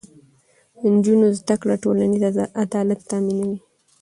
د نجونو زده کړه ټولنیز عدالت تامینوي.